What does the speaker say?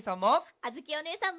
あづきおねえさんも！